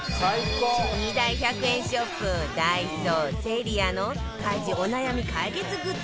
２大１００円ショップダイソーセリアの家事お悩み解決グッズ